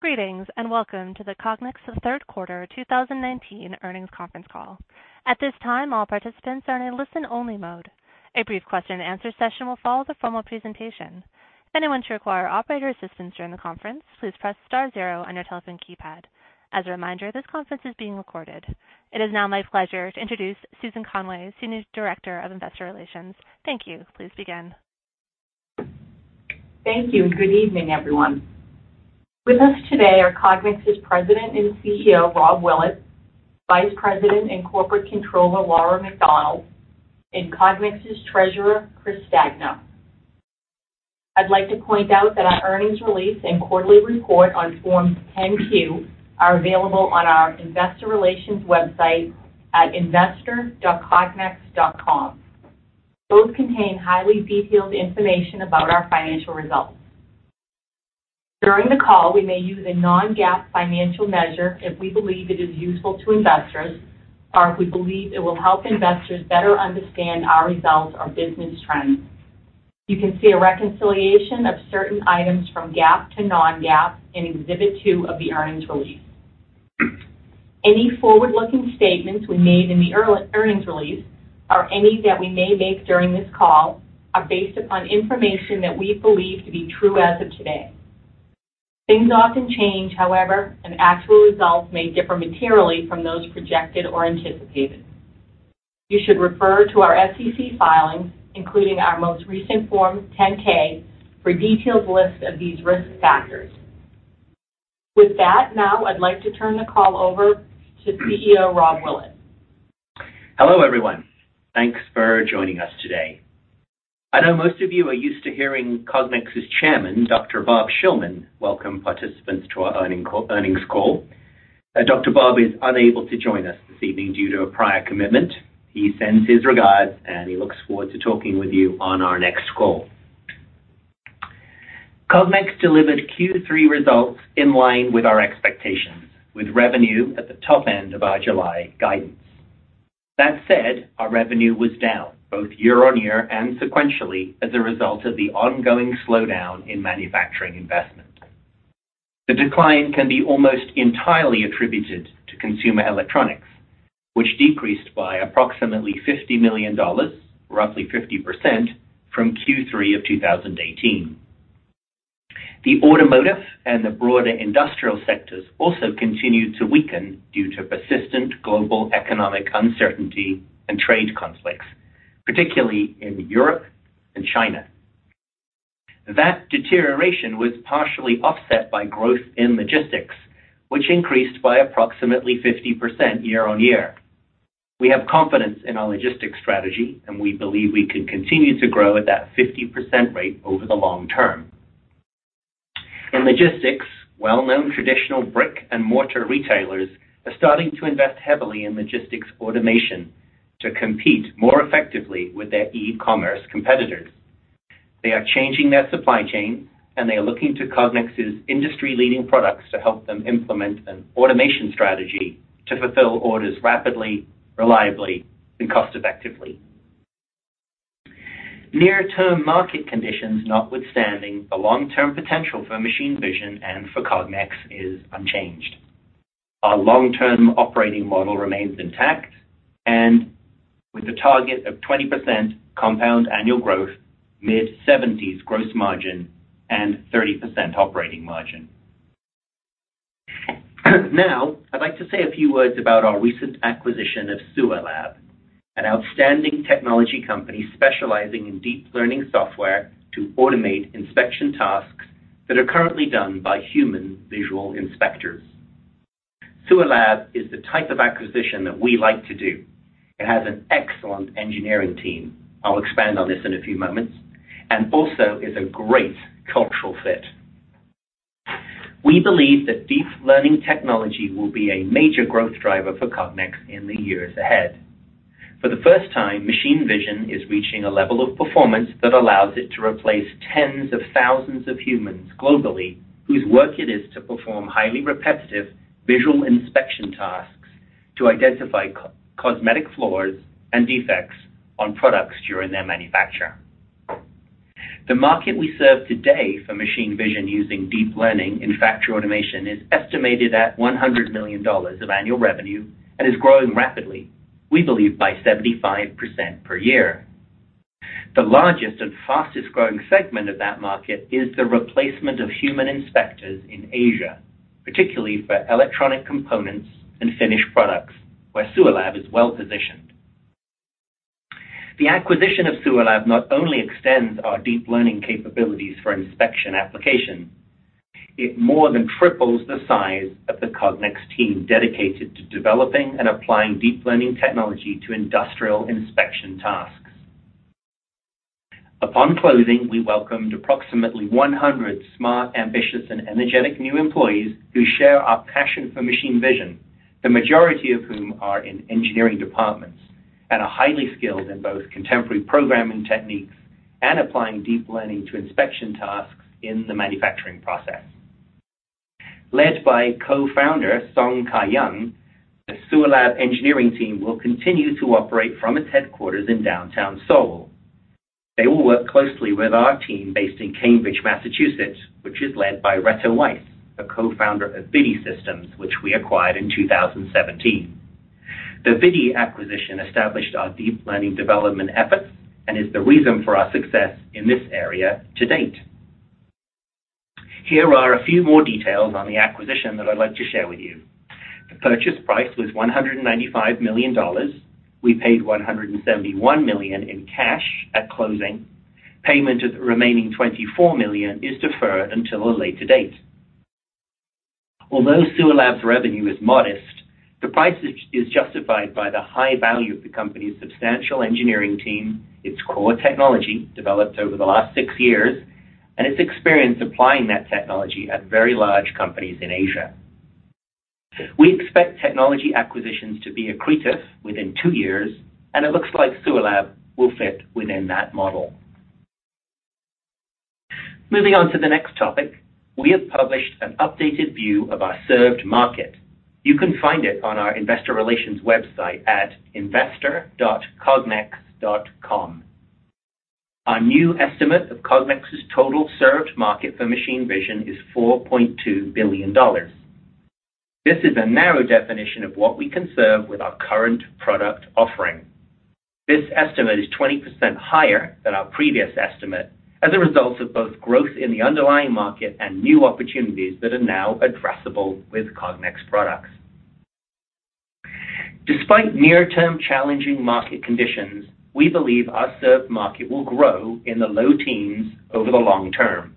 Greetings, and welcome to the Cognex's third quarter 2019 earnings conference call. At this time, all participants are in a listen-only mode. A brief question and answer session will follow the formal presentation. If anyone should require operator assistance during the conference, please press star zero on your telephone keypad. As a reminder, this conference is being recorded. It is now my pleasure to introduce Susan Conway, Senior Director of Investor Relations. Thank you. Please begin. Thank you, and good evening, everyone. With us today are Cognex's President and CEO, Rob Willett, Vice President and Corporate Controller, Laura McDonald, and Cognex's Treasurer, Chris Stagna. I'd like to point out that our earnings release and quarterly report on Form 10-Q are available on our investor relations website at investor.cognex.com. Those contain highly detailed information about our financial results. During the call, we may use a non-GAAP financial measure if we believe it is useful to investors or if we believe it will help investors better understand our results or business trends. You can see a reconciliation of certain items from GAAP to non-GAAP in Exhibit 2 of the earnings release. Any forward-looking statements we made in the earnings release or any that we may make during this call are based upon information that we believe to be true as of today. Things often change, however, and actual results may differ materially from those projected or anticipated. You should refer to our SEC filings, including our most recent Form 10-K, for a detailed list of these risk factors. With that, now I'd like to turn the call over to CEO Rob Willett. Hello, everyone. Thanks for joining us today. I know most of you are used to hearing Cognex's Chairman, Dr. Bob Shillman, welcome participants to our earnings call. Dr. Bob is unable to join us this evening due to a prior commitment. He sends his regards, and he looks forward to talking with you on our next call. Cognex delivered Q3 results in line with our expectations, with revenue at the top end of our July guidance. That said, our revenue was down both year-on-year and sequentially as a result of the ongoing slowdown in manufacturing investment. The decline can be almost entirely attributed to consumer electronics, which decreased by approximately $50 million, roughly 50%, from Q3 of 2018. The automotive and the broader industrial sectors also continued to weaken due to persistent global economic uncertainty and trade conflicts, particularly in Europe and China. That deterioration was partially offset by growth in logistics, which increased by approximately 50% year-on-year. We have confidence in our logistics strategy, and we believe we can continue to grow at that 50% rate over the long term. In logistics, well-known traditional brick-and-mortar retailers are starting to invest heavily in logistics automation to compete more effectively with their e-commerce competitors. They are changing their supply chain, and they are looking to Cognex's industry-leading products to help them implement an automation strategy to fulfill orders rapidly, reliably, and cost-effectively. Near-term market conditions notwithstanding, the long-term potential for machine vision and for Cognex is unchanged. Our long-term operating model remains intact, and with a target of 20% compound annual growth, mid-70s gross margin, and 30% operating margin. I'd like to say a few words about our recent acquisition of SUALAB, an outstanding technology company specializing in deep learning software to automate inspection tasks that are currently done by human visual inspectors. SUALAB is the type of acquisition that we like to do. It has an excellent engineering team, I'll expand on this in a few moments, and also is a great cultural fit. We believe that deep learning technology will be a major growth driver for Cognex in the years ahead. For the first time, machine vision is reaching a level of performance that allows it to replace tens of thousands of humans globally whose work it is to perform highly repetitive visual inspection tasks to identify cosmetic flaws and defects on products during their manufacture. The market we serve today for machine vision using deep learning in factory automation is estimated at $100 million of annual revenue and is growing rapidly, we believe by 75% per year. The largest and fastest-growing segment of that market is the replacement of human inspectors in Asia, particularly for electronic components and finished products, where SUALAB is well-positioned. The acquisition of SUALAB not only extends our deep learning capabilities for inspection application. It more than triples the size of the Cognex team dedicated to developing and applying deep learning technology to industrial inspection tasks. Upon closing, we welcomed approximately 100 smart, ambitious, and energetic new employees who share our passion for machine vision, the majority of whom are in engineering departments and are highly skilled in both contemporary programming techniques and applying deep learning to inspection tasks in the manufacturing process. Led by co-founder Seongkyung Jung, the SUALAB engineering team will continue to operate from its headquarters in downtown Seoul. They will work closely with our team based in Cambridge, Massachusetts, which is led by Reto Weiss, a co-founder of ViDi Systems, which we acquired in 2017. The ViDi acquisition established our deep learning development efforts and is the reason for our success in this area to date. Here are a few more details on the acquisition that I'd like to share with you. The purchase price was $195 million. We paid $171 million in cash at closing. Payment of the remaining $24 million is deferred until a later date. Although SUALAB's revenue is modest, the price is justified by the high value of the company's substantial engineering team, its core technology developed over the last six years, and its experience applying that technology at very large companies in Asia. We expect technology acquisitions to be accretive within two years, and it looks like SUALAB will fit within that model. Moving on to the next topic, we have published an updated view of our served market. You can find it on our investor relations website at investor.cognex.com. Our new estimate of Cognex's total served market for machine vision is $4.2 billion. This is a narrow definition of what we can serve with our current product offering. This estimate is 20% higher than our previous estimate as a result of both growth in the underlying market and new opportunities that are now addressable with Cognex products. Despite near-term challenging market conditions, we believe our served market will grow in the low teens over the long term,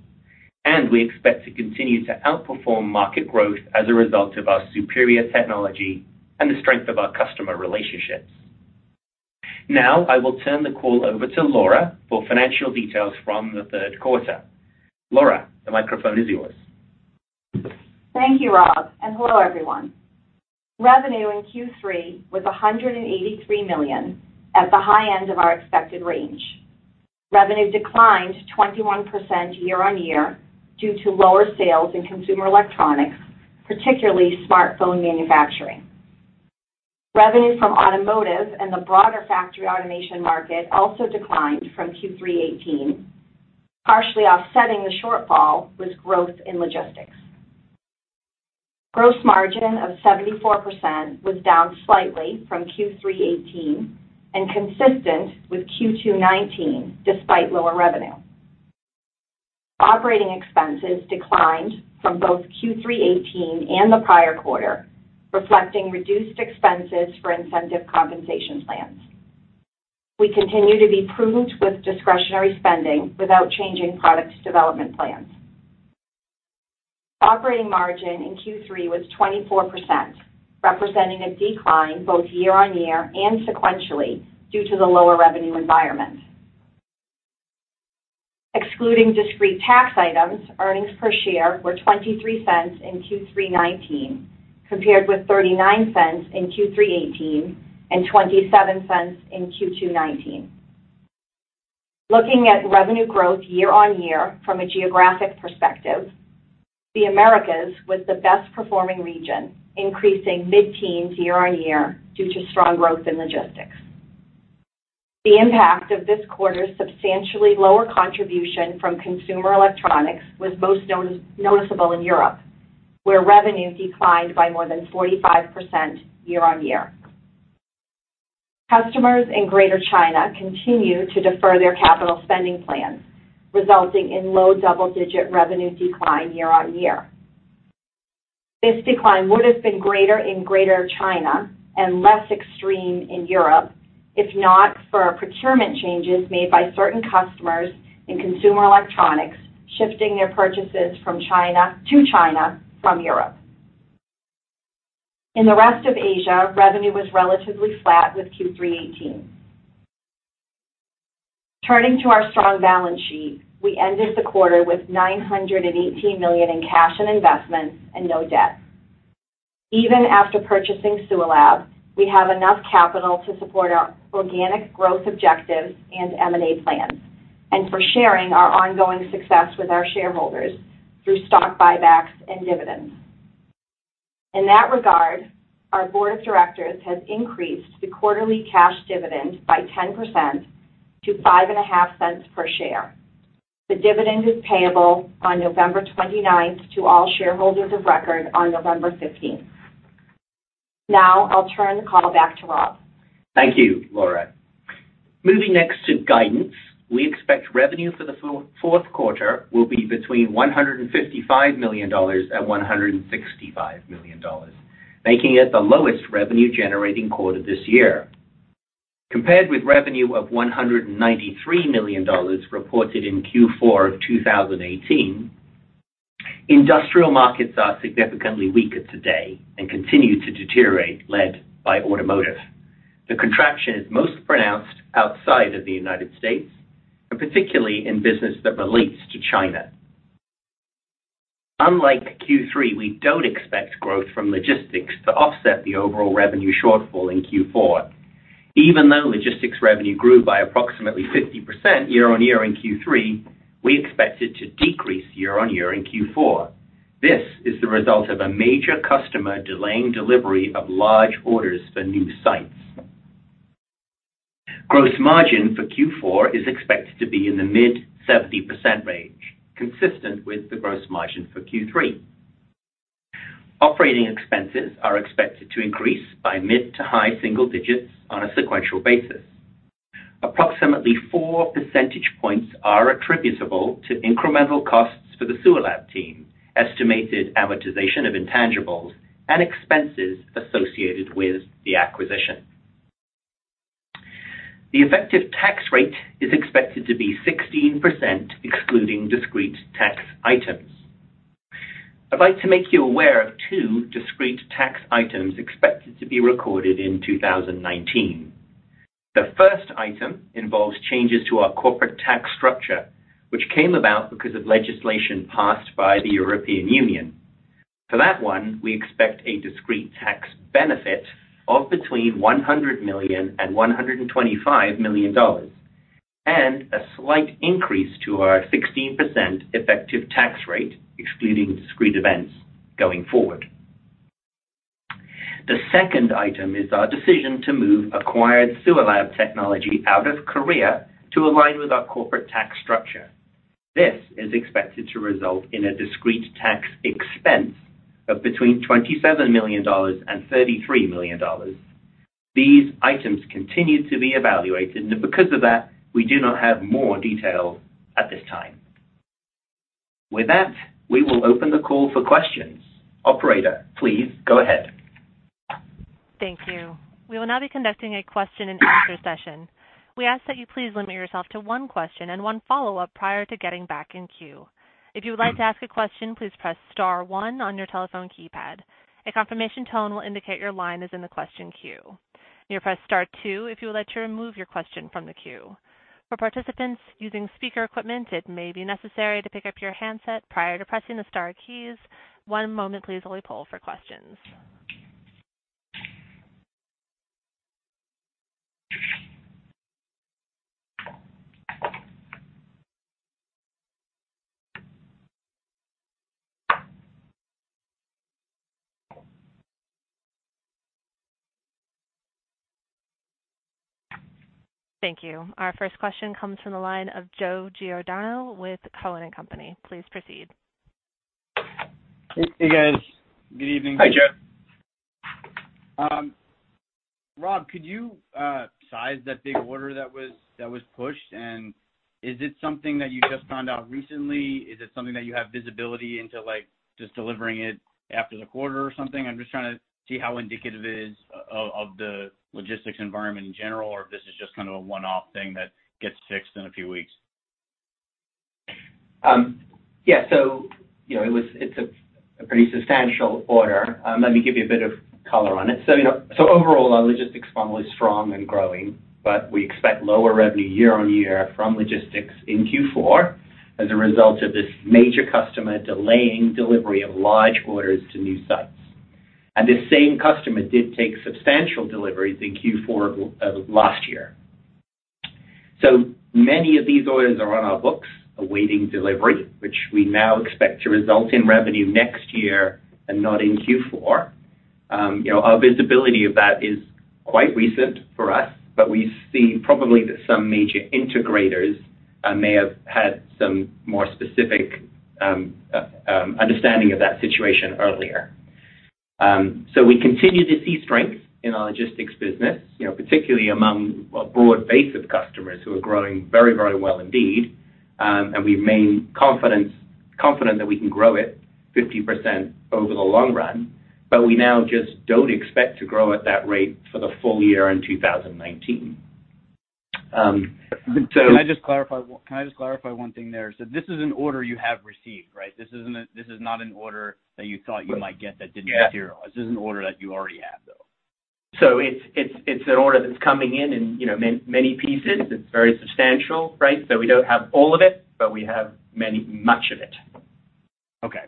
and we expect to continue to outperform market growth as a result of our superior technology and the strength of our customer relationships. I will turn the call over to Laura for financial details from the third quarter. Laura, the microphone is yours. Thank you, Rob. Hello, everyone. Revenue in Q3 was $183 million at the high end of our expected range. Revenue declined 21% year-on-year due to lower sales in consumer electronics, particularly smartphone manufacturing. Revenue from automotive and the broader factory automation market also declined from Q3 2018. Partially offsetting the shortfall was growth in logistics. Gross margin of 74% was down slightly from Q3 2018 and consistent with Q2 2019, despite lower revenue. Operating expenses declined from both Q3 2018 and the prior quarter, reflecting reduced expenses for incentive compensation plans. We continue to be prudent with discretionary spending without changing products development plans. Operating margin in Q3 was 24%, representing a decline both year-on-year and sequentially due to the lower revenue environment. Excluding discrete tax items, earnings per share were $0.23 in Q3 2019, compared with $0.39 in Q3 2018 and $0.27 in Q2 2019. Looking at revenue growth year-over-year from a geographic perspective, the Americas was the best performing region, increasing mid-teens year-over-year due to strong growth in logistics. The impact of this quarter's substantially lower contribution from consumer electronics was most noticeable in Europe, where revenue declined by more than 45% year-over-year. Customers in Greater China continue to defer their capital spending plans, resulting in low double-digit revenue decline year-over-year. This decline would have been greater in Greater China and less extreme in Europe if not for procurement changes made by certain customers in consumer electronics, shifting their purchases to China from Europe. In the rest of Asia, revenue was relatively flat with Q3 2018. Turning to our strong balance sheet, we ended the quarter with $918 million in cash and investments and no debt. Even after purchasing SUALAB, we have enough capital to support our organic growth objectives and M&A plans and for sharing our ongoing success with our shareholders through stock buybacks and dividends. In that regard, our board of directors has increased the quarterly cash dividend by 10% to $0.055 per share. The dividend is payable on November 29th to all shareholders of record on November 15th. I'll turn the call back to Rob. Thank you, Laura. Moving next to guidance, we expect revenue for the fourth quarter will be between $155 million-$165 million, making it the lowest revenue generating quarter this year. Compared with revenue of $193 million reported in Q4 of 2018, industrial markets are significantly weaker today and continue to deteriorate, led by automotive. The contraction is most pronounced outside of the United States, and particularly in business that relates to China. Unlike Q3, we don't expect growth from logistics to offset the overall revenue shortfall in Q4. Even though logistics revenue grew by approximately 50% year-on-year in Q3, we expect it to decrease year-on-year in Q4. This is the result of a major customer delaying delivery of large orders for new sites. Gross margin for Q4 is expected to be in the mid 70% range, consistent with the gross margin for Q3. Operating expenses are expected to increase by mid to high single digits on a sequential basis. Approximately four percentage points are attributable to incremental costs for the SUALAB team, estimated amortization of intangibles, and expenses associated with the acquisition. The effective tax rate is expected to be 16%, excluding discrete tax items. I'd like to make you aware of two discrete tax items expected to be recorded in 2019. The first item involves changes to our corporate tax structure, which came about because of legislation passed by the European Union. For that one, we expect a discrete tax benefit of between $100 million and $125 million, and a slight increase to our 16% effective tax rate, excluding discrete events going forward. The second item is our decision to move acquired SUALAB technology out of Korea to align with our corporate tax structure. This is expected to result in a discrete tax expense of between $27 million and $33 million. These items continue to be evaluated. Because of that, we do not have more detail at this time. With that, we will open the call for questions. Operator, please go ahead. Thank you. We will now be conducting a question and answer session. We ask that you please limit yourself to one question and one follow-up prior to getting back in queue. If you would like to ask a question, please press star one on your telephone keypad. A confirmation tone will indicate your line is in the question queue. You may press star two if you would like to remove your question from the queue. For participants using speaker equipment, it may be necessary to pick up your handset prior to pressing the star keys. One moment please while we poll for questions. Thank you. Our first question comes from the line of Joe Giordano with Cowen and Company. Please proceed. Hey, guys. Good evening. Hi, Joe. Rob, could you size that big order that was pushed? Is it something that you just found out recently? Is it something that you have visibility into just delivering it after the quarter or something? I'm just trying to see how indicative it is of the logistics environment in general, or if this is just kind of a one-off thing that gets fixed in a few weeks. Yeah. It's a pretty substantial order. Let me give you a bit of color on it. Overall, our logistics funnel is strong and growing, but we expect lower revenue year-on-year from logistics in Q4 as a result of this major customer delaying delivery of large orders to new sites. This same customer did take substantial deliveries in Q4 of last year. Many of these orders are on our books awaiting delivery, which we now expect to result in revenue next year and not in Q4. Our visibility of that is quite recent for us, but we see probably that some major integrators may have had some more specific understanding of that situation earlier. We continue to see strength in our logistics business, particularly among a broad base of customers who are growing very well indeed. We remain confident that we can grow it 50% over the long run, but we now just don't expect to grow at that rate for the full year in 2019. Can I just clarify one thing there? This is an order you have received, right? This is not an order that you thought you might get that didn't materialize. This is an order that you already have, though. It's an order that's coming in many pieces. It's very substantial, right? We don't have all of it, but we have much of it. Okay.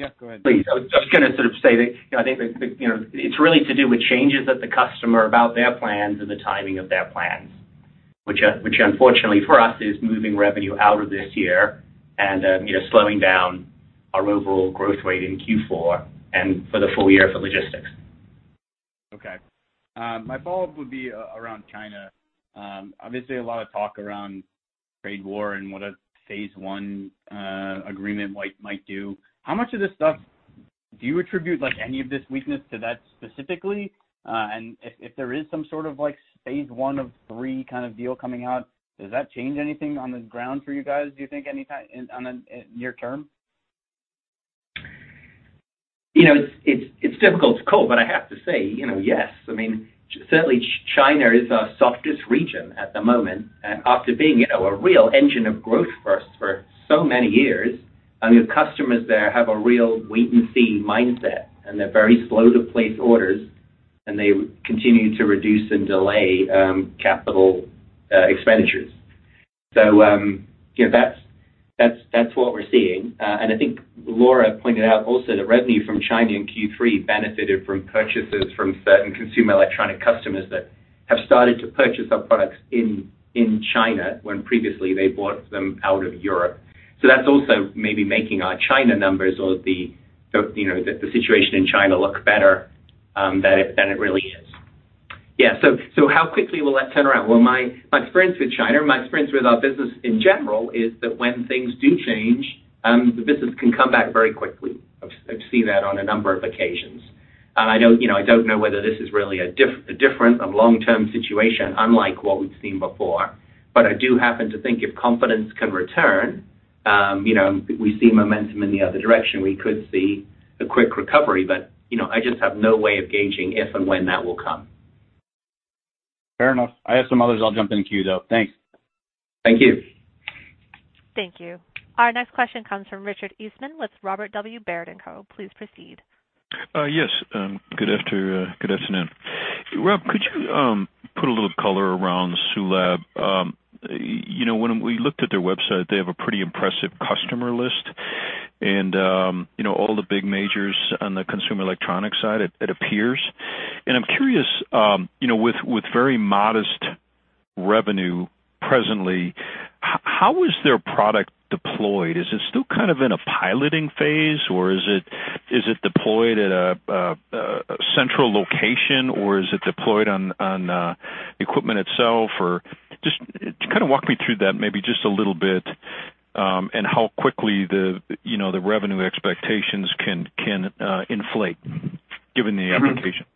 Yeah, go ahead. Please. I was just going to sort of say that I think that it's really to do with changes at the customer about their plans and the timing of their plans, which unfortunately for us is moving revenue out of this year and slowing down our overall growth rate in Q4 and for the full year for logistics. Okay. My follow-up would be around China. Obviously, a lot of talk around trade war and what a phase 1 agreement might do. How much do you attribute any of this weakness to that specifically? If there is some sort of phase 1 of 3 kind of deal coming out, does that change anything on the ground for you guys, do you think, on a near term? It's difficult to call, but I have to say, yes. I mean, certainly China is our softest region at the moment, after being a real engine of growth for us for so many years. I mean, customers there have a real wait and see mindset, and they're very slow to place orders, and they continue to reduce and delay capital expenditures. We're seeing, and I think Laura pointed out also, that revenue from China in Q3 benefited from purchases from certain consumer electronic customers that have started to purchase our products in China, when previously they bought them out of Europe. That's also maybe making our China numbers or the situation in China look better than it really is. Yeah. How quickly will that turn around? Well, my experience with China, my experience with our business in general is that when things do change, the business can come back very quickly. I've seen that on a number of occasions. I don't know whether this is really a different and long-term situation unlike what we've seen before, but I do happen to think if confidence can return, we see momentum in the other direction, we could see a quick recovery. I just have no way of gauging if and when that will come. Fair enough. I have some others I'll jump in queue, though. Thanks. Thank you. Thank you. Our next question comes from Richard Eastman with Robert W. Baird & Co. Please proceed. Yes. Good afternoon. Rob, could you put a little color around SUALAB? When we looked at their website, they have a pretty impressive customer list and all the big majors on the consumer electronics side, it appears. I'm curious, with very modest revenue presently, how is their product deployed? Is it still kind of in a piloting phase, or is it deployed at a central location, or is it deployed on equipment itself? Just walk me through that maybe just a little bit, and how quickly the revenue expectations can inflate given the application.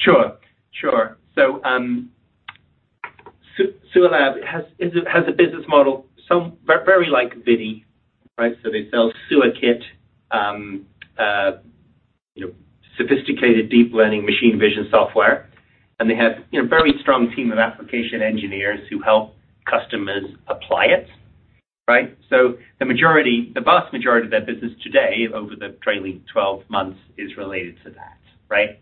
Sure. SUALAB has a business model very like ViDi, right? They sell SuaKit, sophisticated deep learning machine vision software, and they have a very strong team of application engineers who help customers apply it, right? The vast majority of their business today, over the trailing 12 months, is related to that, right?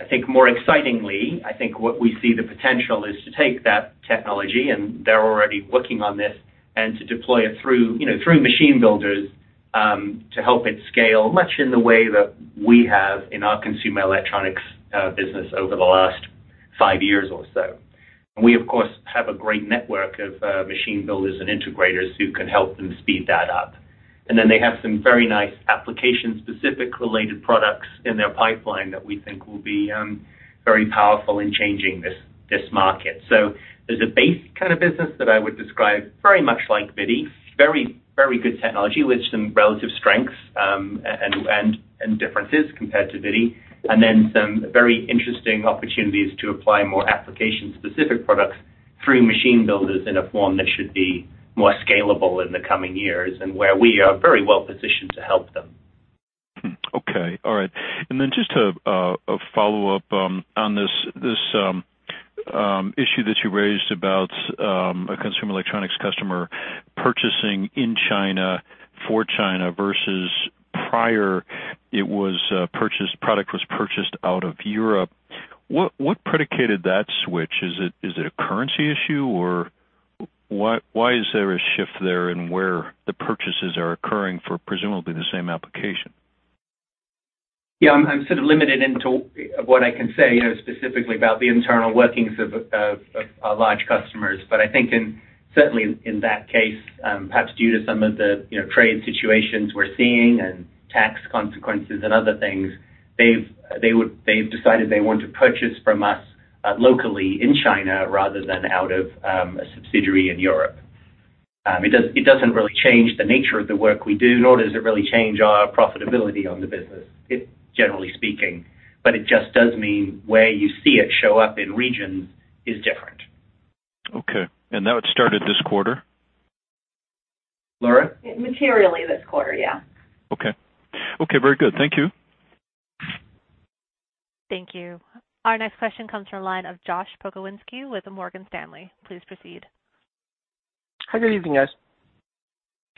I think more excitingly, I think what we see the potential is to take that technology, and they're already working on this, and to deploy it through machine builders, to help it scale, much in the way that we have in our consumer electronics business over the last five years or so. We of course, have a great network of machine builders and integrators who can help them speed that up. They have some very nice application-specific related products in their pipeline that we think will be very powerful in changing this market. There's a base kind of business that I would describe very much like ViDi, very good technology with some relative strengths, and differences compared to ViDi, and then some very interesting opportunities to apply more application-specific products through machine builders in a form that should be more scalable in the coming years, and where we are very well positioned to help them. Okay. All right. Just a follow-up on this issue that you raised about a consumer electronics customer purchasing in China for China versus prior, product was purchased out of Europe. What predicated that switch? Is it a currency issue, or why is there a shift there in where the purchases are occurring for presumably the same application? Yeah, I'm sort of limited into what I can say specifically about the internal workings of our large customers. I think certainly in that case, perhaps due to some of the trade situations we're seeing and tax consequences and other things, they've decided they want to purchase from us locally in China rather than out of a subsidiary in Europe. It doesn't really change the nature of the work we do, nor does it really change our profitability on the business, generally speaking. It just does mean where you see it show up in regions is different. Okay. That would start at this quarter? Laura? Materially this quarter, yeah. Okay. Okay, very good. Thank you. Thank you. Our next question comes from the line of Josh Pokrzywinski with Morgan Stanley. Please proceed. Hi, good evening, guys.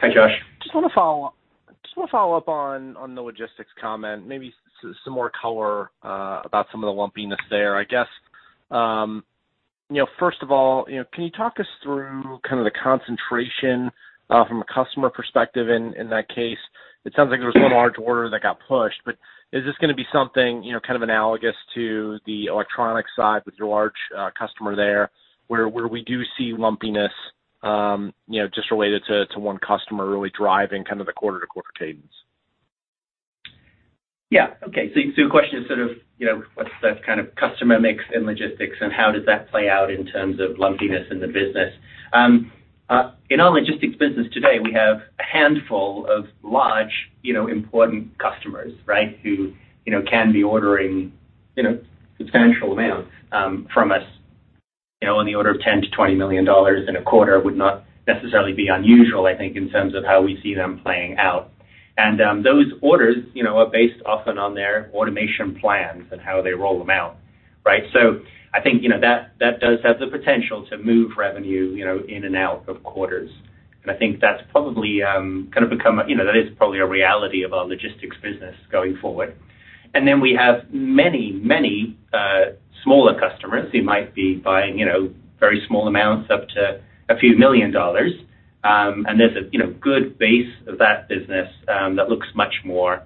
Hi, Josh. Just want to follow up on the logistics comment, maybe some more color about some of the lumpiness there. I guess, first of all, can you talk us through kind of the concentration from a customer perspective in that case? It sounds like there was one large order that got pushed, but is this going to be something kind of analogous to the electronic side with your large customer there, where we do see lumpiness, just related to one customer really driving kind of the quarter-to-quarter cadence? Yeah. Okay. Your question is sort of what's the kind of customer mix in logistics and how does that play out in terms of lumpiness in the business? In our logistics business today, we have a handful of large, important customers, right, who can be ordering substantial amounts from us. In the order of $10 million-$20 million in a quarter would not necessarily be unusual, I think, in terms of how we see them playing out. Those orders are based often on their automation plans and how they roll them out, right? I think that does have the potential to move revenue in and out of quarters. I think that is probably a reality of our logistics business going forward. Then we have many smaller customers who might be buying very small amounts up to a few million dollars. There's a good base of that business that looks much more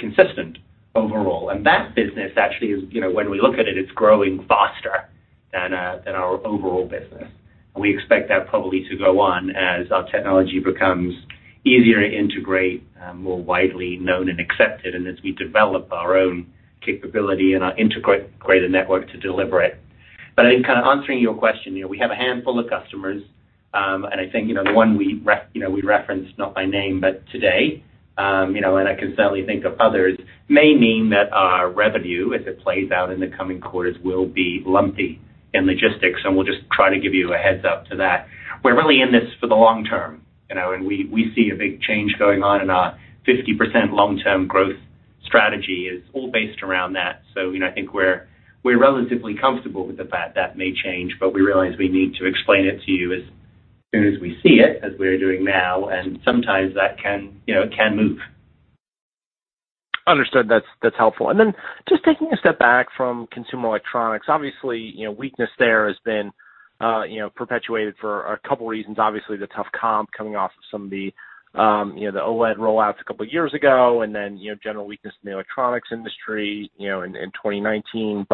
consistent overall. That business actually is, when we look at it's growing faster than our overall business. We expect that probably to go on as our technology becomes easier to integrate, more widely known and accepted, and as we develop our own capability and our integrated network to deliver it. In kind of answering your question, we have a handful of customers, and I think the one we referenced, not by name, but today, and I can certainly think of others, may mean that our revenue as it plays out in the coming quarters will be lumpy in logistics, and we'll just try to give you a heads up to that. We're really in this for the long term, and we see a big change going on in our 50% long-term growth strategy is all based around that. I think we're relatively comfortable with the fact that may change, but we realize we need to explain it to you as soon as we see it, as we're doing now, and sometimes that can move. Understood. That's helpful. Then just taking a step back from consumer electronics, obviously, weakness there has been perpetuated for a couple reasons. Obviously, the tough comp coming off of some of the OLED rollouts a couple years ago, and then, general weakness in the electronics industry in 2019.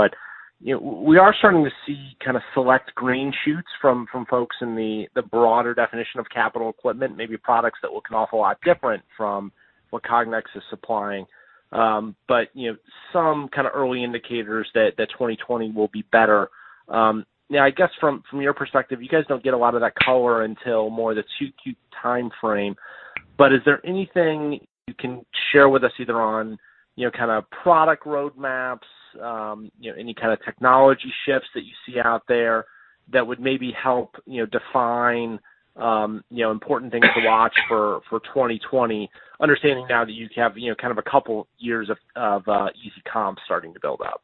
We are starting to see kind of select green shoots from folks in the broader definition of capital equipment, maybe products that look an awful lot different from what Cognex is supplying. Some kind of early indicators that 2020 will be better. I guess from your perspective, you guys don't get a lot of that color until more the 2Q timeframe, but is there anything you can share with us either on kind of product roadmaps, any kind of technology shifts that you see out there that would maybe help define important things to watch for 2020, understanding now that you have kind of a couple years of easy comps starting to build out?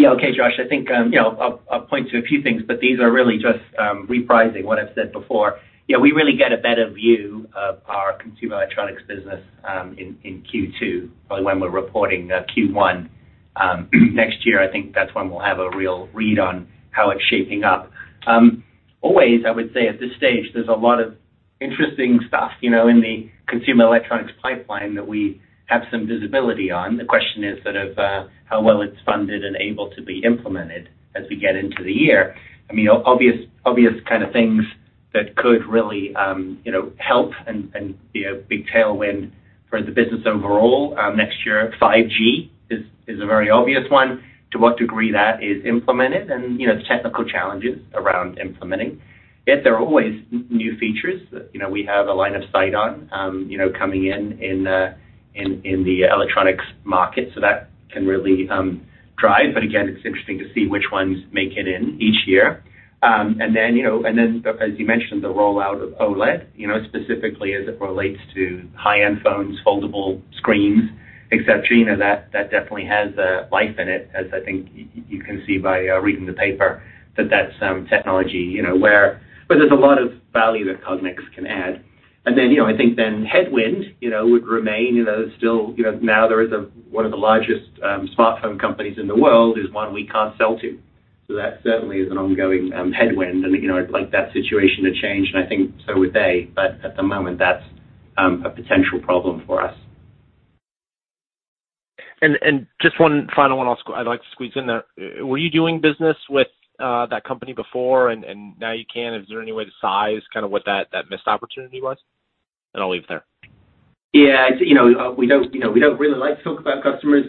Okay, Josh, I think, I'll point to a few things, but these are really just reprising what I've said before. We really get a better view of our consumer electronics business in Q2, probably when we're reporting Q1 next year. I think that's when we'll have a real read on how it's shaping up. Always, I would say at this stage, there's a lot of interesting stuff in the consumer electronics pipeline that we have some visibility on. The question is sort of how well it's funded and able to be implemented as we get into the year. I mean, obvious kind of things that could really help and be a big tailwind for the business overall next year. 5G is a very obvious one, to what degree that is implemented and the technical challenges around implementing. There are always new features that we have a line of sight on coming in the electronics market, that can really drive. Again, it's interesting to see which ones make it in each year. As you mentioned, the rollout of OLED, specifically as it relates to high-end phones, foldable screens, et cetera, that definitely has a life in it, as I think you can see by reading the paper that that's technology, where there's a lot of value that Cognex can add. I think then headwind would remain. There is one of the largest smartphone companies in the world is one we can't sell to. That certainly is an ongoing headwind and I'd like that situation to change, and I think so would they, but at the moment, that's a potential problem for us. Just one final one I'd like to squeeze in there. Were you doing business with that company before and now you can't? Is there any way to size kind of what that missed opportunity was? I'll leave it there. Yeah. We don't really like to talk about customers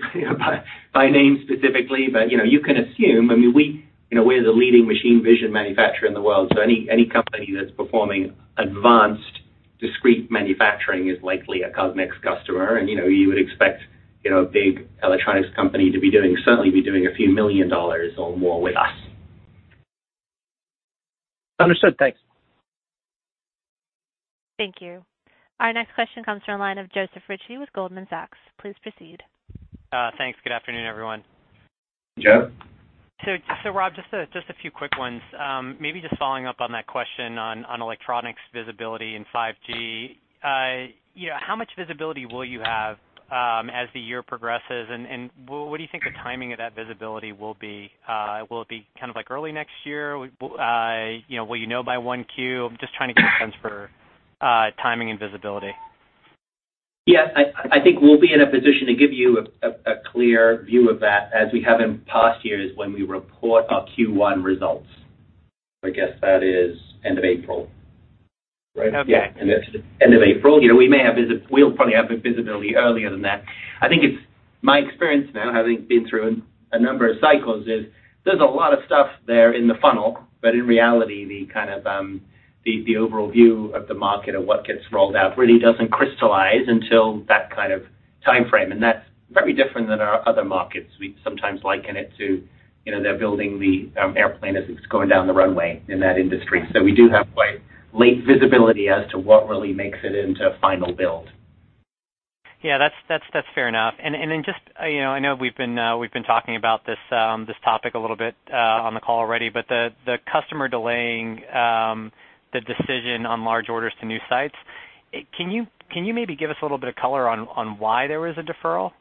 by name specifically, but you can assume, I mean, we're the leading machine vision manufacturer in the world, so any company that's performing advanced discrete manufacturing is likely a Cognex customer, and you would expect a big electronics company to certainly be doing a few million dollars or more with us. Understood. Thanks. Thank you. Our next question comes from the line of Joseph Ritchie with Goldman Sachs. Please proceed. Thanks. Good afternoon, everyone. Joe. Rob, just a few quick ones. Maybe just following up on that question on electronics visibility and 5G. How much visibility will you have as the year progresses, and what do you think the timing of that visibility will be? Will it be kind of early next year? Will you know by 1 Q? I'm just trying to get a sense for timing and visibility. I think we'll be in a position to give you a clear view of that as we have in past years when we report our Q1 results. I guess that is end of April, right? Okay. Yeah, end of April. We'll probably have visibility earlier than that. I think it's my experience now, having been through a number of cycles, is there's a lot of stuff there in the funnel, but in reality, the kind of overall view of the market of what gets rolled out really doesn't crystallize until that kind of timeframe, and that's very different than our other markets. We sometimes liken it to, they're building the airplane as it's going down the runway in that industry. We do have quite late visibility as to what really makes it into a final build. Yeah, that's fair enough. Just, I know we've been talking about this topic a little bit on the call already, but the customer delaying the decision on large orders to new sites. Can you maybe give us a little bit of color on why there was a deferral?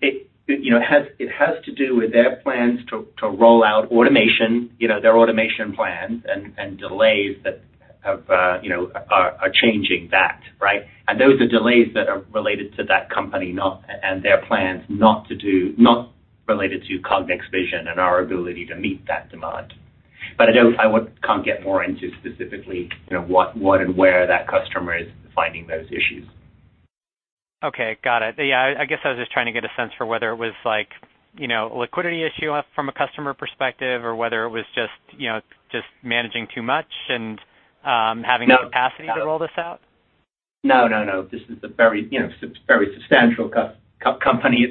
It has to do with their plans to roll out automation, their automation plans and delays that are changing that, right? Those are delays that are related to that company and their plans, not related to Cognex vision and our ability to meet that demand. I can't get more into specifically, what and where that customer is finding those issues. Okay. Got it. Yeah, I guess I was just trying to get a sense for whether it was a liquidity issue from a customer perspective or whether it was just managing too much and having the capacity to roll this out. This is a very substantial company.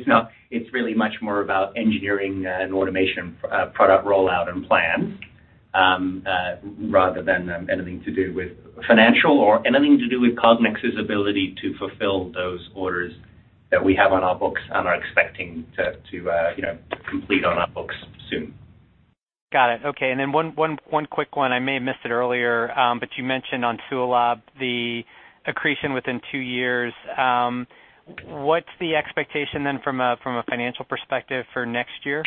It's really much more about engineering an automation product rollout and plans, rather than anything to do with financial or anything to do with Cognex's ability to fulfill those orders that we have on our books and are expecting to complete on our books soon. Got it. Okay. One quick one, I may have missed it earlier, but you mentioned on SUALAB, the accretion within two years. What's the expectation then from a financial perspective for next year?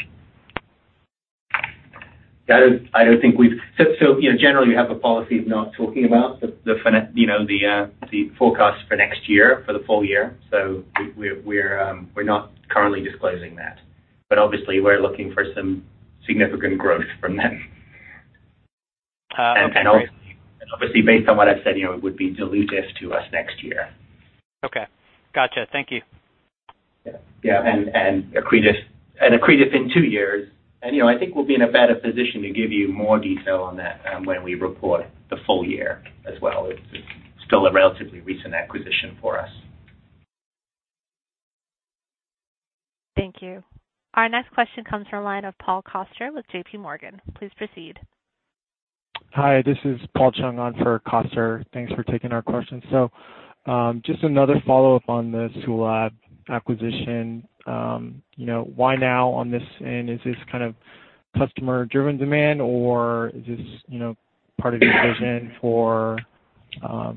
Generally we have a policy of not talking about the forecast for next year for the full year. We're not currently disclosing that. Obviously we're looking for some significant growth from them. Okay. Obviously based on what I've said, it would be dilutive to us next year. Okay. Got you. Thank you. Yeah. Accretive in two years. I think we'll be in a better position to give you more detail on that when we report the full year as well. It's still a relatively recent acquisition for us. Thank you. Our next question comes from the line of Paul Coster with JPMorgan. Please proceed. Hi, this is Paul Chung on for Paul Coster. Thanks for taking our question. Just another follow-up on the SUALAB acquisition. Why now on this? Is this kind of customer driven demand or is this part of your vision for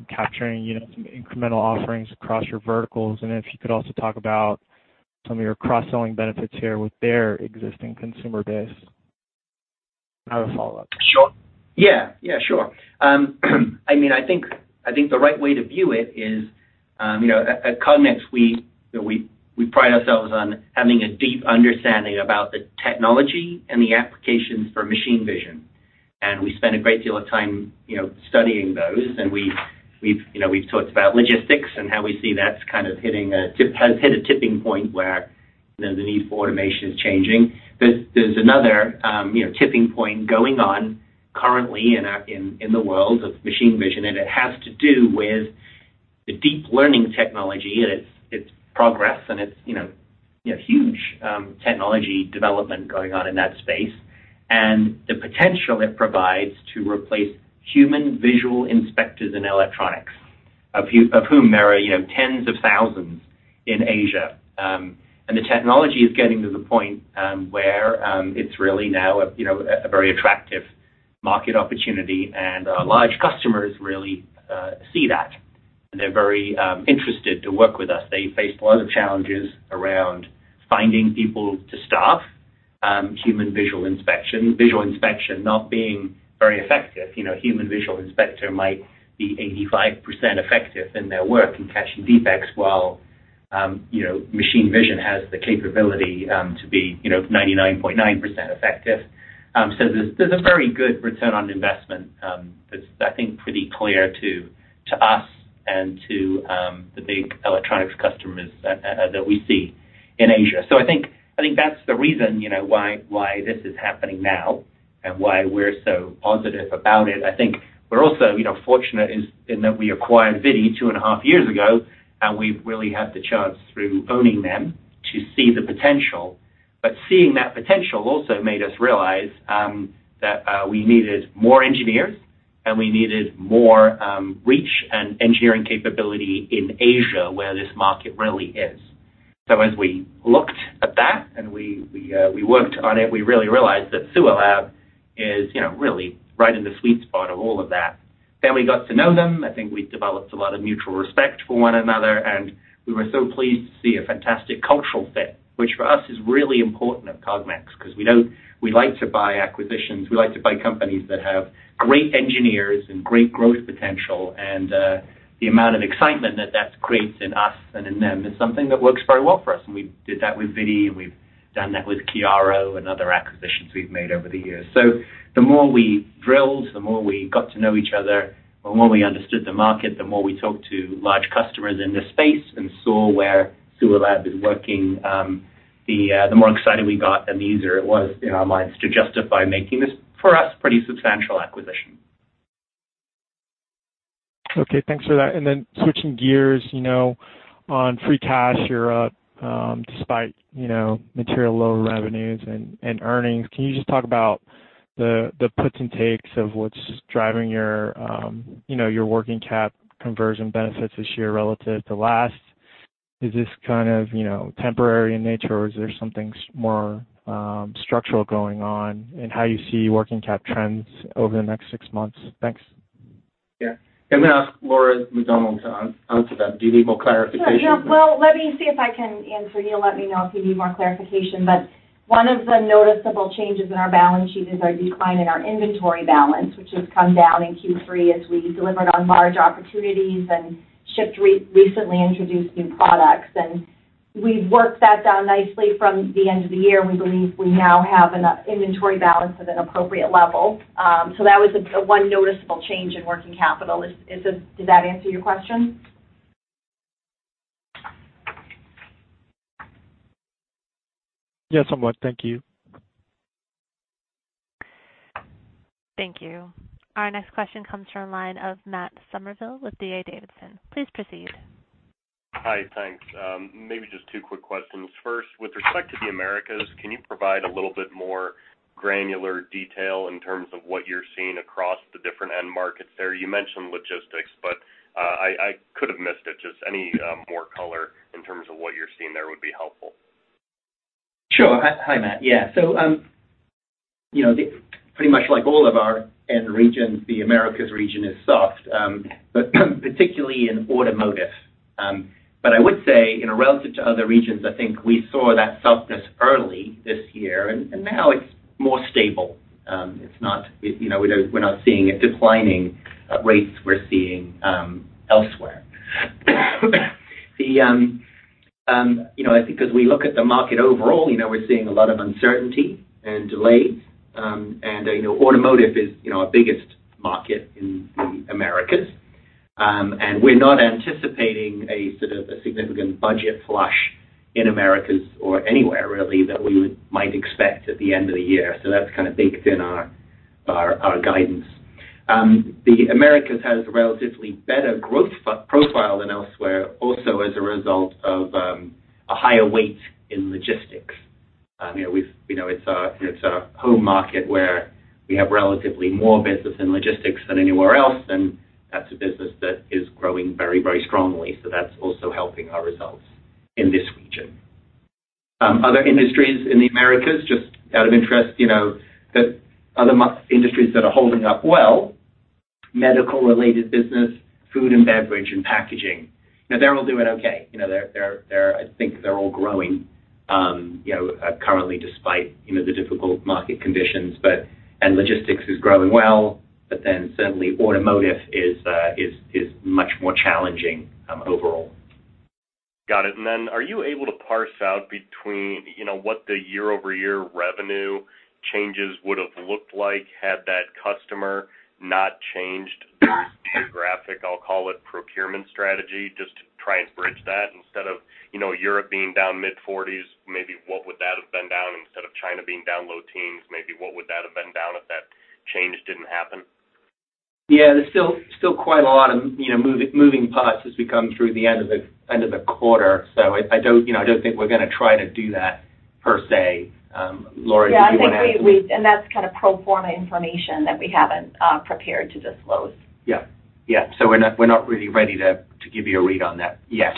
capturing some incremental offerings across your verticals? If you could also talk about some of your cross-selling benefits here with their existing consumer base. I have a follow-up. Sure. Yeah. Sure. I think the right way to view it is, at Cognex, we pride ourselves on having a deep understanding about the technology and the applications for machine vision. We spend a great deal of time studying those. We've talked about logistics and how we see that has hit a tipping point where the need for automation is changing. There's another tipping point going on currently in the world of machine vision, and it has to do with the deep learning technology and its progress, and its huge technology development going on in that space. The potential it provides to replace human visual inspectors in electronics, of whom there are tens of thousands in Asia. The technology is getting to the point where it's really now a very attractive market opportunity, and our large customers really see that, and they're very interested to work with us. They face a lot of challenges around finding people to staff, human visual inspection, visual inspection not being very effective. A human visual inspector might be 85% effective in their work in catching defects, while machine vision has the capability to be 99.9% effective. There's a very good return on investment that's, I think, pretty clear to us and to the big electronics customers that we see in Asia. I think that's the reason why this is happening now and why we're so positive about it. I think we're also fortunate in that we acquired ViDi two and a half years ago, and we've really had the chance through owning them to see the potential. Seeing that potential also made us realize that we needed more engineers and we needed more reach and engineering capability in Asia, where this market really is. As we looked at that and we worked on it, we really realized that SUALAB is really right in the sweet spot of all of that. We got to know them. I think we developed a lot of mutual respect for one another, and we were so pleased to see a fantastic cultural fit, which for us is really important at Cognex because we like to buy acquisitions. We like to buy companies that have great engineers and great growth potential. The amount of excitement that that creates in us and in them is something that works very well for us. We did that with ViDi, and we've done that with Chiaro and other acquisitions we've made over the years. The more we drilled, the more we got to know each other. The more we understood the market, the more we talked to large customers in this space and saw where SUALAB is working, the more excited we got and the easier it was in our minds to justify making this, for us, pretty substantial acquisition. Okay, thanks for that. Then switching gears on free cash, you're up despite material lower revenues and earnings. Can you just talk about the puts and takes of what's driving your working cap conversion benefits this year relative to last? Is this kind of temporary in nature, or is there something more structural going on in how you see working cap trends over the next six months? Thanks. Yeah. I'm going to ask Laura McDonald to answer that. Do you need more clarification? Yeah. Well, let me see if I can answer. You'll let me know if you need more clarification. One of the noticeable changes in our balance sheet is our decline in our inventory balance, which has come down in Q3 as we delivered on large opportunities and shipped recently introduced new products. We've worked that down nicely from the end of the year. We believe we now have an inventory balance at an appropriate level. That was one noticeable change in working capital. Does that answer your question? Yes, somewhat. Thank you. Thank you. Our next question comes from the line of Matt Summerville with D.A. Davidson. Please proceed. Hi, thanks. Maybe just two quick questions. First, with respect to the Americas, can you provide a little bit more granular detail in terms of what you're seeing across the different end markets there? You mentioned logistics, but I could've missed it. Just any more color in terms of what you're seeing there would be helpful. Sure. Hi, Matt. Yeah. Pretty much like all of our end regions, the Americas region is soft. Particularly in automotive. I would say, relative to other regions, I think we saw that softness early this year, and now it's more stable. We're not seeing it declining at rates we're seeing elsewhere. I think as we look at the market overall, we're seeing a lot of uncertainty and delays. Automotive is our biggest market in the Americas. We're not anticipating a sort of a significant budget flush in Americas or anywhere, really, that we might expect at the end of the year. That's kind of baked in our guidance. The Americas has a relatively better growth profile than elsewhere, also as a result of a higher weight in logistics. It's a home market where we have relatively more business in logistics than anywhere else, and that's a business that is growing very strongly. That's also helping our results in this region. Other industries in the Americas, just out of interest, the other industries that are holding up well, medical-related business, food and beverage, and packaging. They're all doing okay. I think they're all growing currently, despite the difficult market conditions. Logistics is growing well, but then certainly automotive is much more challenging overall. Got it. Are you able to parse out between what the year-over-year revenue changes would've looked like had that customer not changed their geographic, I'll call it, procurement strategy, just to try and bridge that. Instead of Europe being down mid-forties, maybe what would that have been down? Instead of China being down low teens, maybe what would that have been down if that change didn't happen? Yeah. There's still quite a lot of moving parts as we come through the end of the quarter. I don't think we're going to try to do that per se. Laura, do you want to add to that? Yeah, I think that's kind of pro forma information that we haven't prepared to disclose. Yeah. We're not really ready to give you a read on that yet.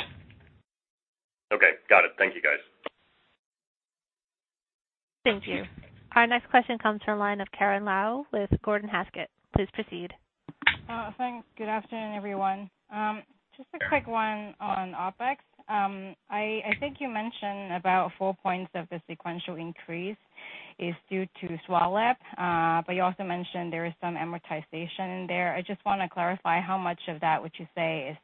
Okay. Got it. Thank you, guys. Thank you. Our next question comes from the line of Karen Lau with Gordon Haskett. Please proceed. Thanks. Good afternoon, everyone. Just a quick one on OpEx. I think you mentioned about four points of the sequential increase is due to SUALAB, but you also mentioned there is some amortization in there. I just want to clarify how much of that would you say is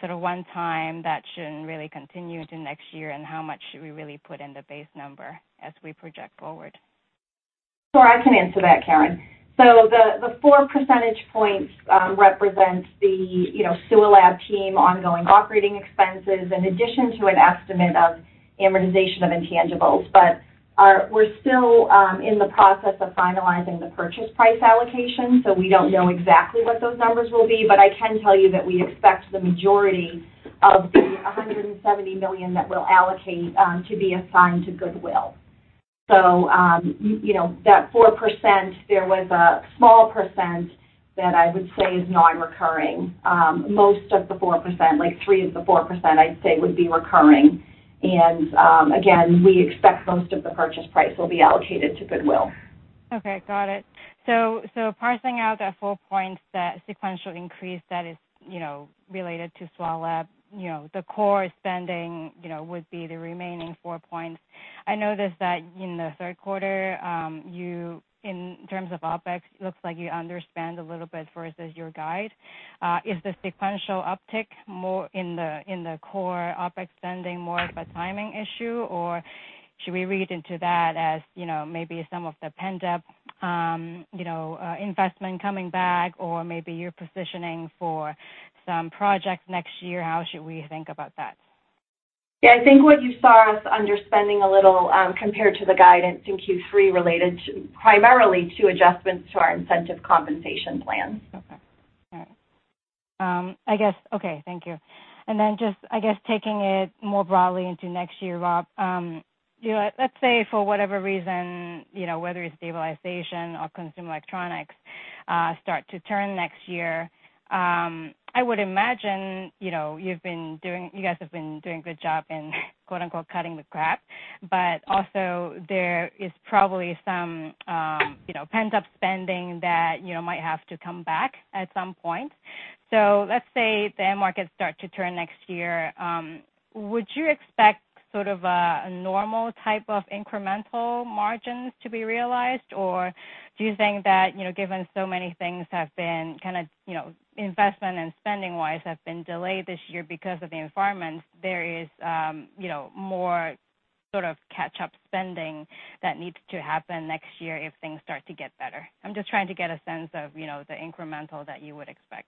sort of one time that shouldn't really continue into next year, and how much should we really put in the base number as we project forward? Sure, I can answer that, Karen. The four percentage points represents the SUALAB team ongoing operating expenses in addition to an estimate of amortization of intangibles. We're still in the process of finalizing the purchase price allocation, we don't know exactly what those numbers will be. I can tell you that we expect the majority of the $170 million that we'll allocate to be assigned to goodwill. That 4%, there was a small percent that I would say is non-recurring. Most of the 4%, like 3% of the 4%, I'd say would be recurring. Again, we expect most of the purchase price will be allocated to goodwill. Okay, got it. Parsing out that four points, that sequential increase that is related to SUALAB, the core spending would be the remaining four points. I noticed that in the third quarter, in terms of OpEx, looks like you underspend a little bit versus your guide. Is the sequential uptick more in the core OpEx spending more of a timing issue, or should we read into that as maybe some of the pent-up investment coming back, or maybe you're positioning for some projects next year? How should we think about that? Yeah, I think what you saw us underspending a little compared to the guidance in Q3 related primarily to adjustments to our incentive compensation plan. Okay. All right. Okay, thank you. Then just, I guess, taking it more broadly into next year, Rob. Let's say for whatever reason, whether it's stabilization or consumer electronics start to turn next year, I would imagine you guys have been doing a good job in quote unquote "cutting the crap," but also there is probably some You know, pent-up spending that might have to come back at some point. Let's say the end markets start to turn next year, would you expect sort of a normal type of incremental margins to be realized? Do you think that, given so many things have been kind of, investment and spending-wise, have been delayed this year because of the environment, there is more sort of catch-up spending that needs to happen next year if things start to get better? I'm just trying to get a sense of the incremental that you would expect.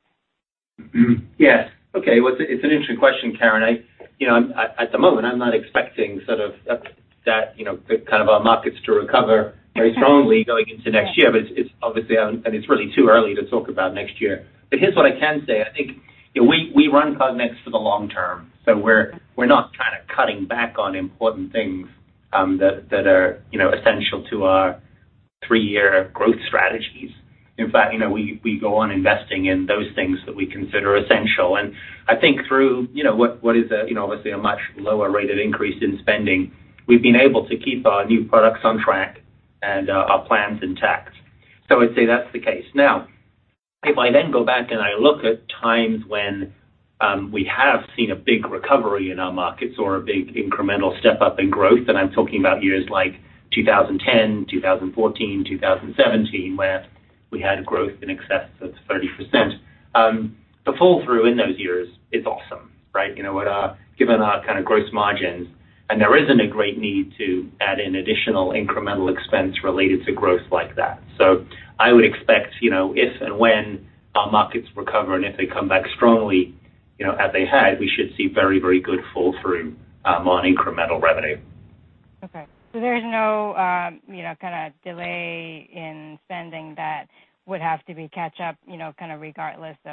Yes. Okay. Well, it's an interesting question, Karen. At the moment, I'm not expecting that kind of our markets to recover very strongly going into next year. It's obviously, and it's really too early to talk about next year. Here's what I can say. I think we run Cognex for the long term. We're not kind of cutting back on important things that are essential to our three-year growth strategies. In fact, we go on investing in those things that we consider essential. I think through what is obviously a much lower rate of increase in spending, we've been able to keep our new products on track and our plans intact. I'd say that's the case. If I then go back and I look at times when we have seen a big recovery in our markets or a big incremental step-up in growth, and I'm talking about years like 2010, 2014, 2017, where we had growth in excess of 30%. The fall through in those years is awesome, right? Given our kind of gross margins, and there isn't a great need to add in additional incremental expense related to growth like that. I would expect, if and when our markets recover, and if they come back strongly as they had, we should see very, very good fall through on incremental revenue. Okay. there is no kind of delay in spending that would have to be caught up. Well, the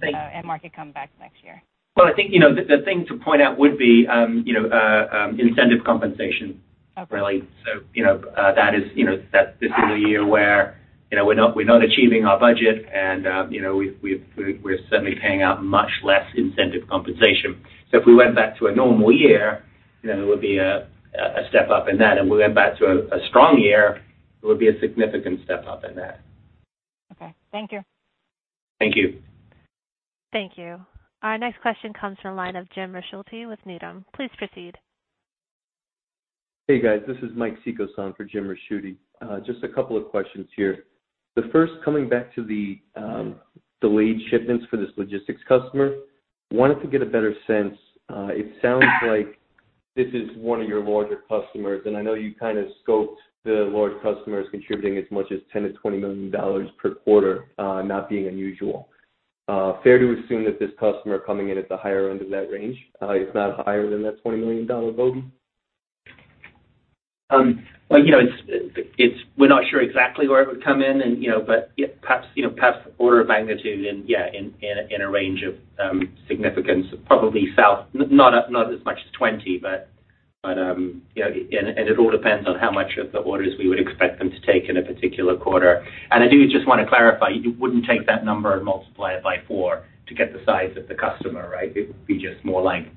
thing- the end market come back next year. Well, I think, the thing to point out would be incentive compensation. Okay. Really. This is a year where we're not achieving our budget, and we're certainly paying out much less incentive compensation. If we went back to a normal year, it would be a step up in that. If we went back to a strong year, it would be a significant step up in that. Okay. Thank you. Thank you. Thank you. Our next question comes from the line of Jim Ricchiuti with Needham. Please proceed. Hey, guys, this is Mike Sison for James Ricchiuti. Just a couple of questions here. The first, coming back to the delayed shipments for this logistics customer. I wanted to get a better sense. It sounds like this is one of your larger customers, and I know you kind of scoped the large customers contributing as much as $10 million-$20 million per quarter, not being unusual. Fair to assume that this customer coming in at the higher end of that range? It's not higher than that $20 million bogey? We're not sure exactly where it would come in, but perhaps order of magnitude, in a range of significance, probably south, not as much as 20, it all depends on how much of the orders we would expect them to take in a particular quarter. I do just want to clarify, you wouldn't take that number and multiply it by four to get the size of the customer, right? It would be just more like,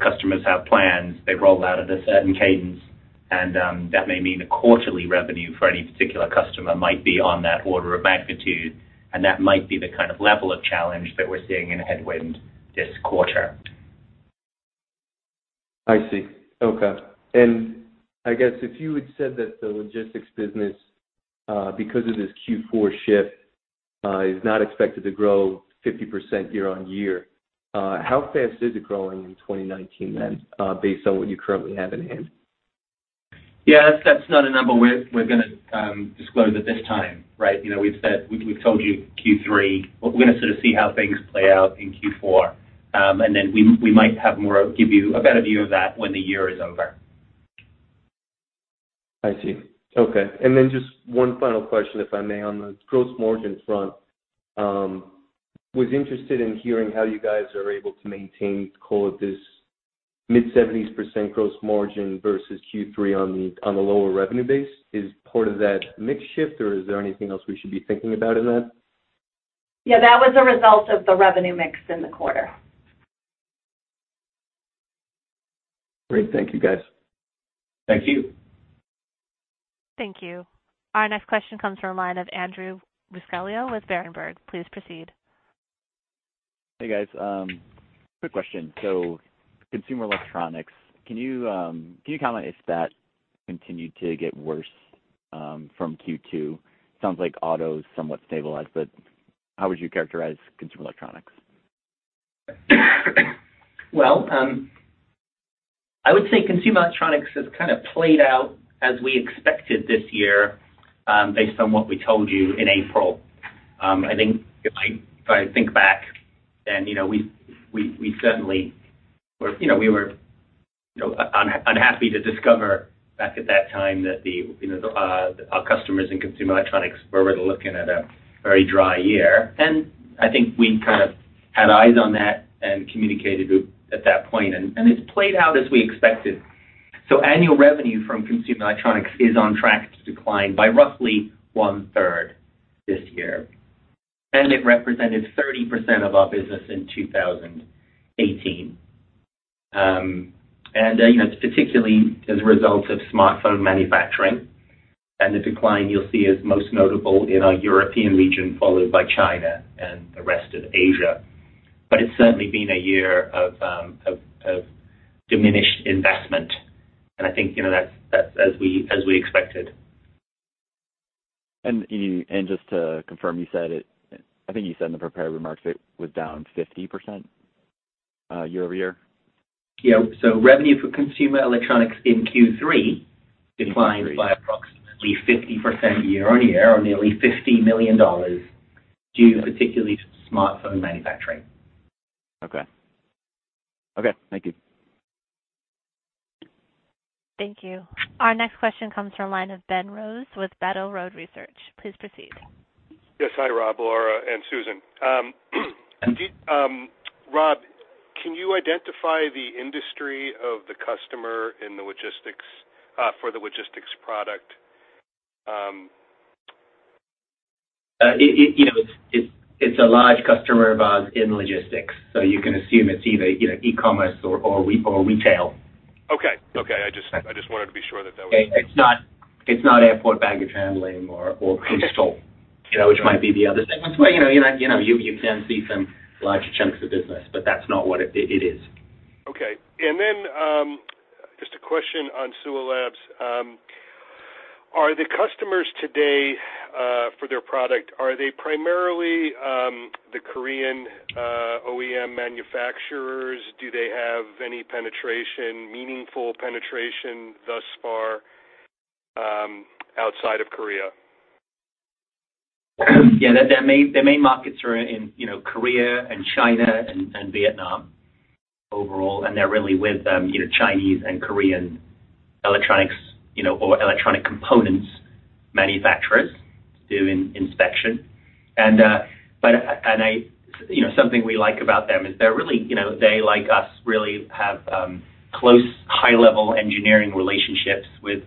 customers have plans, they roll out at a certain cadence, that may mean the quarterly revenue for any particular customer might be on that order of magnitude, that might be the kind of level of challenge that we're seeing in a headwind this quarter. I see. Okay. I guess if you had said that the logistics business, because of this Q4 shift, is not expected to grow 50% year-on-year, how fast is it growing in 2019 then, based on what you currently have in hand? Yeah, that's not a number we're going to disclose at this time, right? We've told you Q3, we're going to sort of see how things play out in Q4. We might have more, give you a better view of that when the year is over. I see. Okay. Just one final question, if I may, on the gross margin front. Was interested in hearing how you guys are able to maintain call it this mid-70s% gross margin versus Q3 on the lower revenue base. Is part of that mix shift, or is there anything else we should be thinking about in that? Yeah, that was a result of the revenue mix in the quarter. Great. Thank you, guys. Thank you. Thank you. Our next question comes from a line of Andrew Buscaglia with Berenberg. Please proceed. Hey, guys, quick question. Consumer electronics, can you comment if that continued to get worse from Q2? Sounds like auto's somewhat stabilized, but how would you characterize consumer electronics? Well, I would say consumer electronics has kind of played out as we expected this year, based on what we told you in April. I think if I think back and we certainly were unhappy to discover back at that time that our customers in consumer electronics were really looking at a very dry year, and I think we kind of had eyes on that and communicated at that point, and it's played out as we expected. Annual revenue from consumer electronics is on track to decline by roughly one-third this year, and it represented 30% of our business in 2018. Particularly as a result of smartphone manufacturing. The decline you'll see is most notable in our European region, followed by China and the rest of Asia. It's certainly been a year of diminished investment, and I think that's as we expected. Just to confirm, I think you said in the prepared remarks it was down 50% year-over-year? Yeah. Revenue for consumer electronics in Q3 declined. In Q3 by approximately 50% year-on-year, or nearly $50 million, due particularly to smartphone manufacturing. Okay. Thank you. Thank you. Our next question comes from line of Ben Rose with Battle Road Research. Please proceed. Yes. Hi, Rob, Laura, and Susan. Rob, can you identify the industry of the customer for the logistics product? It's a large customer of ours in logistics, so you can assume it's either e-commerce or retail. Okay. I just wanted to be sure. It's not airport baggage handling. Okay poastal, which might be the other segments where you can see some larger chunks of business, but that's not what it is. Okay. Just a question on SUALAB. Are the customers today, for their product, are they primarily the Korean OEM manufacturers? Do they have any meaningful penetration thus far outside of Korea? Yeah, their main markets are in Korea and China and Vietnam overall. They're really with Chinese and Korean electronics or electronic components manufacturers doing inspection. Something we like about them is they, like us, really have close high-level engineering relationships with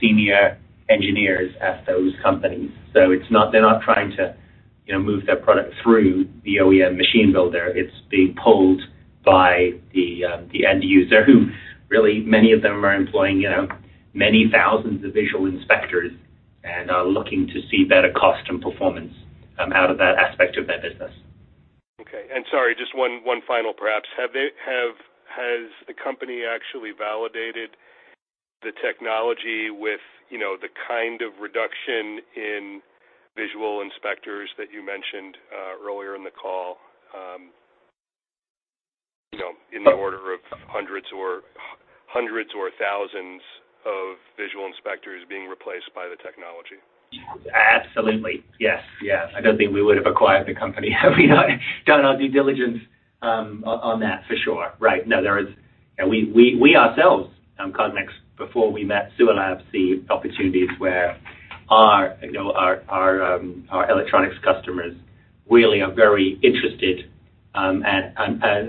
senior engineers at those companies. They're not trying to move their product through the OEM machine builder. It's being pulled by the end user, who really many of them are employing many thousands of visual inspectors and are looking to see better cost and performance out of that aspect of their business. Okay. Sorry, just one final perhaps. Has the company actually validated the technology with the kind of reduction in visual inspectors that you mentioned earlier in the call, in the order of hundreds or thousands of visual inspectors being replaced by the technology? Absolutely. Yes. I don't think we would've acquired the company had we not done our due diligence on that for sure. Right. We ourselves, Cognex, before we met SUALAB, see opportunities where our electronics customers really are very interested and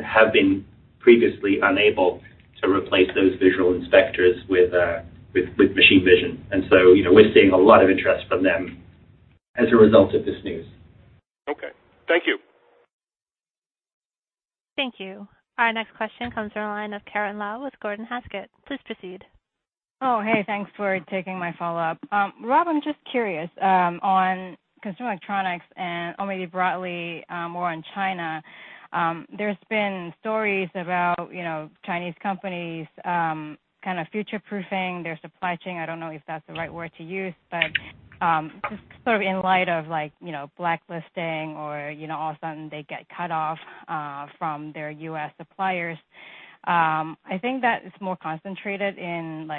have been previously unable to replace those visual inspectors with machine vision. We're seeing a lot of interest from them as a result of this news. Okay. Thank you. Thank you. Our next question comes from the line of Karen Lau with Gordon Haskett. Please proceed. Oh, hey. Thanks for taking my follow-up. Rob, I'm just curious on consumer electronics and maybe broadly more on China. There's been stories about Chinese companies kind of future-proofing their supply chain. I don't know if that's the right word to use, but just sort of in light of blacklisting or all of a sudden they get cut off from their U.S. suppliers. I think that it's more concentrated in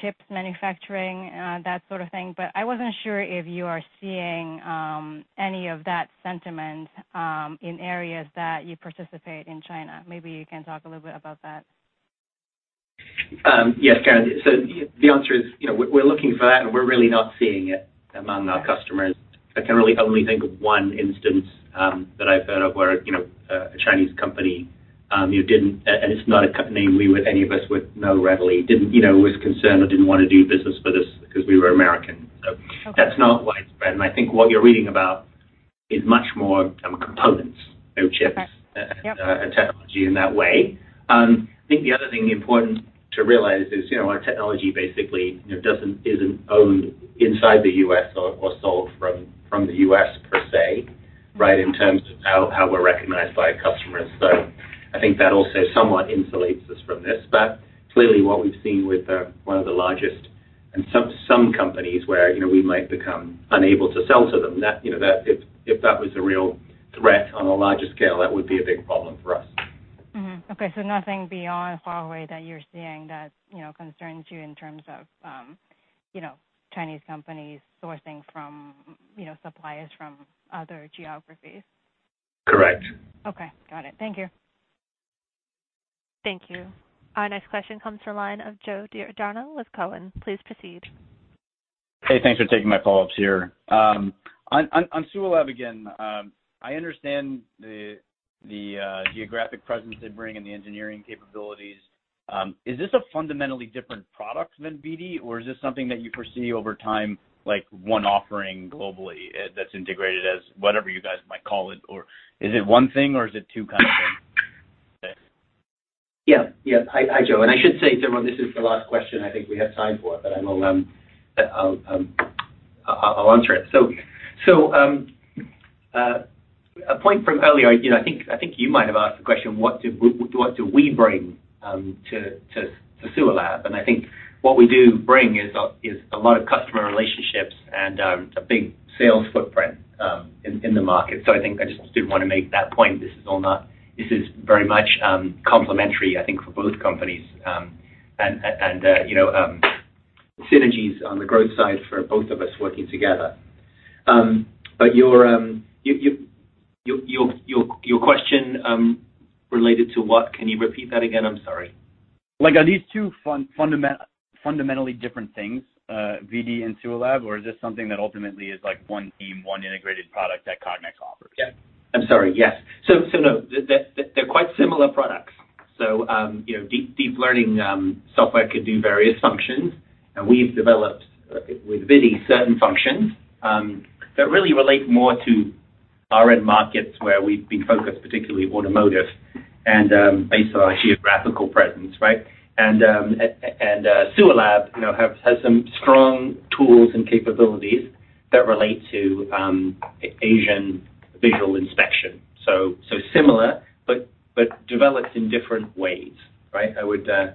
chips manufacturing, that sort of thing, but I wasn't sure if you are seeing any of that sentiment in areas that you participate in China. Maybe you can talk a little bit about that. Yes, Karen. The answer is, we're looking for that, and we're really not seeing it among our customers. I can really only think of one instance that I've heard of where a Chinese company, and it's not a company any of us would know readily, was concerned or didn't want to do business with us because we were American. That's not widespread, and I think what you're reading about is much more components than chips. Okay. Yep. Technology in that way. I think the other thing important to realize is our technology basically isn't owned inside the U.S. or sold from the U.S. per se, right, in terms of how we're recognized by our customers. I think that also somewhat insulates us from this. Clearly what we've seen with one of the largest and some companies where we might become unable to sell to them, if that was a real threat on a larger scale, that would be a big problem for us. Okay, nothing beyond Huawei that you're seeing that concerns you in terms of Chinese companies sourcing from suppliers from other geographies? Correct. Okay. Got it. Thank you. Thank you. Our next question comes from the line of Joe Giordano with Cowen. Please proceed. Hey, thanks for taking my follow-ups here. On SUALAB again, I understand the geographic presence they bring and the engineering capabilities. Is this a fundamentally different product than ViDi, or is this something that you foresee over time, like one offering globally that's integrated as whatever you guys might call it? Is it one thing or is it two kind of things? Hi, Joe, I should say to everyone, this is the last question I think we have time for, but I'll answer it. A point from earlier, I think you might have asked the question, what do we bring to SUALAB? I think what we do bring is a lot of customer relationships and a big sales footprint in the market. I think I just did want to make that point. This is very much complementary, I think, for both companies. Synergies on the growth side for both of us working together. Your question related to what? Can you repeat that again? I'm sorry. Are these two fundamentally different things, ViDi and SUALAB? Or is this something that ultimately is one team, one integrated product that Cognex offers? Yeah. I'm sorry. Yes. No, they're quite similar products. Deep learning software can do various functions, and we've developed with ViDi certain functions that really relate more to our end markets where we've been focused, particularly automotive, and based on our geographical presence, right? SUALAB has some strong tools and capabilities that relate to Asian visual inspection. Similar, but developed in different ways, right? I would say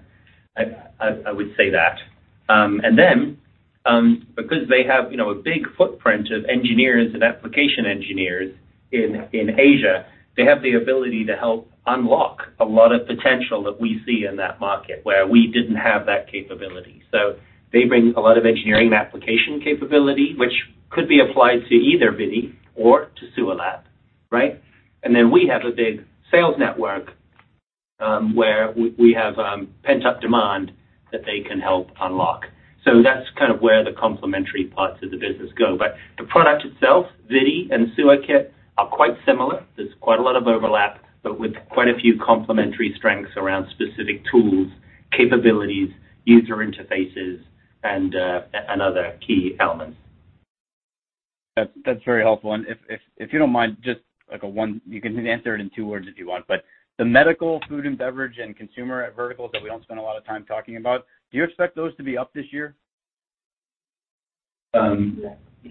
that. Because they have a big footprint of engineers and application engineers in Asia, they have the ability to help unlock a lot of potential that we see in that market where we didn't have that capability. They bring a lot of engineering application capability, which could be applied to either ViDi or to SUALAB, right? We have a big sales network, where we have pent-up demand that they can help unlock. That's kind of where the complementary parts of the business go. The product itself, ViDi and SUALAB Kit, are quite similar. There's quite a lot of overlap, with quite a few complementary strengths around specific tools, capabilities, user interfaces, and other key elements. That's very helpful. If you don't mind, you can answer it in two words if you want, the medical, food and beverage, and consumer verticals that we don't spend a lot of time talking about, do you expect those to be up this year?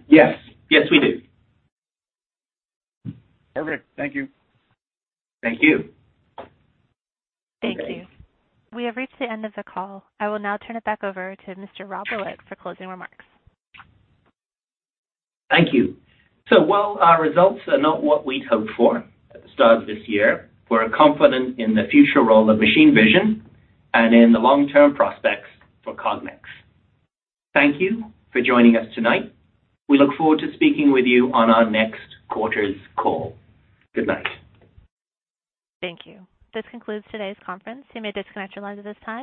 Yes. Yes, we do. Perfect. Thank you. Thank you. Thank you. We have reached the end of the call. I will now turn it back over to Mr. Willett for closing remarks. Thank you. While our results are not what we'd hoped for at the start of this year, we're confident in the future role of machine vision and in the long-term prospects for Cognex. Thank you for joining us tonight. We look forward to speaking with you on our next quarter's call. Good night. Thank you. This concludes today's conference. You may disconnect your lines at this time.